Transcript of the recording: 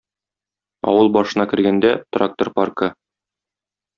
Авыл башына кергәндә - трактор паркы.